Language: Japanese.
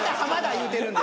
言うてるんで。